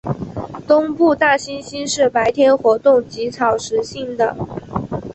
东部大猩猩是白天活动及草食性的。